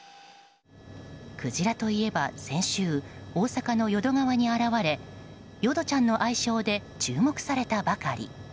クジラといえば先週大阪の淀川に現れ淀ちゃんの愛称で注目されたばかり。